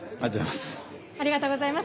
ありがとうございます。